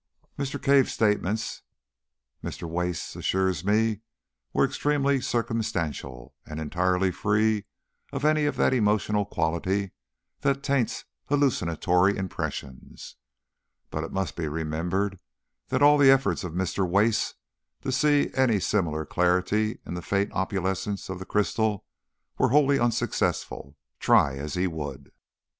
Mr. Cave's statements, Mr. Wace assures me, were extremely circumstantial, and entirely free from any of that emotional quality that taints hallucinatory impressions. But it must be remembered that all the efforts of Mr. Wace to see any similar clarity in the faint opalescence of the crystal were wholly unsuccessful, try as he would.